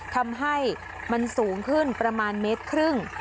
ทำให้มันสูงขึ้นประมาณเมตรครึ่ง